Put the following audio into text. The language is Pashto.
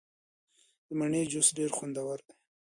د مڼې جوس ډیر خوندور دی.